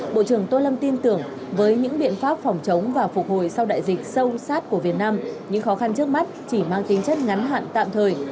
bộ trưởng tô lâm tin tưởng với những biện pháp phòng chống và phục hồi sau đại dịch sâu sát của việt nam những khó khăn trước mắt chỉ mang tính chất ngắn hạn tạm thời